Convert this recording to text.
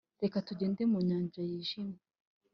Reka tugende mu nyanja yijimye